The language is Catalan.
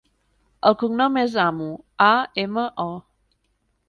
El cognom és Amo: a, ema, o.